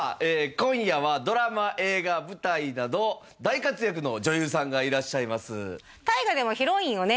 今夜はドラマ映画舞台など大活躍の女優さんがいらっしゃいます大河でもヒロインをね？